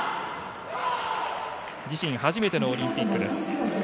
自身初めてのオリンピックです。